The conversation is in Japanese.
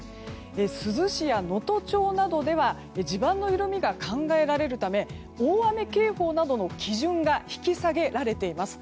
珠洲市や能登町などでは地盤の緩みが考えられるため大雨警報などの基準が引き下げられています。